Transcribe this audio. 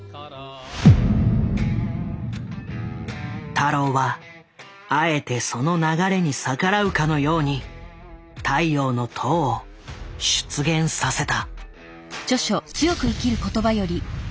太郎はあえてその流れに逆らうかのように「太陽の塔」を出現させた。